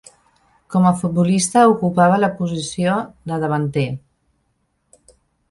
Com a futbolista ocupava la posició de davanter.